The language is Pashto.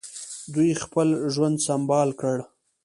دوی خپل ژوند سمبال کولای شي.